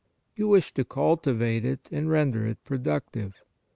You wish to cultivate it and render it productive.